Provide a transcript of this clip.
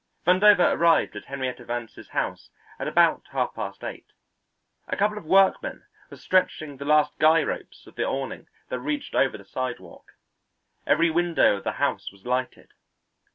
Vandover arrived at Henrietta Vance's house at about half past eight. A couple of workmen were stretching the last guy ropes of the awning that reached over the sidewalk; every window of the house was lighted.